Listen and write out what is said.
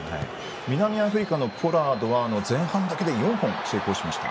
南アフリカのポラードは前半だけで４本成功しました。